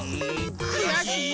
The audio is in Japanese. くやしい！